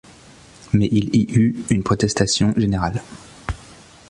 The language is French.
Mais il y eut une protestation générale.